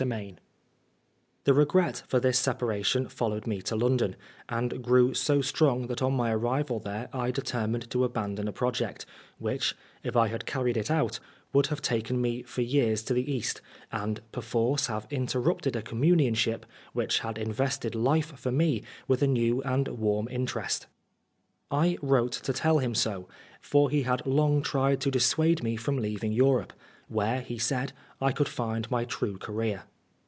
So VII THE regret for this separation followed me to London, and grew so strong that on my arrival there I determined to abandon a project, which, if I had carried it out, would have taken me for years to the East, and perforce have interrupted a communionship which had invested life for me with a new and warm interest. I wrote to him to tell him so, for he had long tried to dissuade me from leaving Europe, where, he said, I could find my true career.